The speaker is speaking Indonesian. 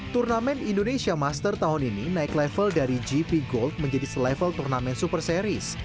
turnamen indonesia master tahun ini naik level dari gp gold menjadi selevel turnamen super series